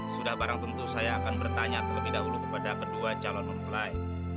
sudah barang tentu saya akan bertanya terlebih dahulu kepada kedua calon mempelai